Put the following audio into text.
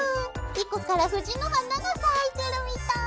莉子から藤の花が咲いてるみたい！